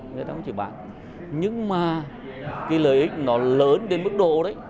người ta không chiều bán nhưng mà lợi ích nó lớn đến mức độ đấy